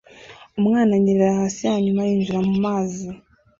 Umwana anyerera hasi hanyuma yinjira mumazi